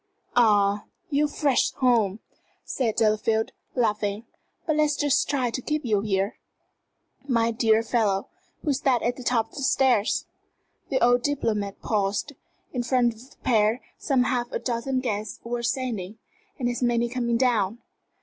"Ah, you're fresh home," said Delafield, laughing. "But let's just try to keep you here " "My dear fellow, who is that at the top of the stairs?" The old diplomat paused. In front of the pair some half a dozen guests were ascending, and as many coming down.